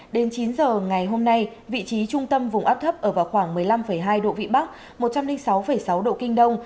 đến chín giờ ngày hôm nay vị trí trung tâm vùng áp thấp ở vào khoảng một mươi năm hai độ vị bắc một trăm linh sáu sáu độ kinh đông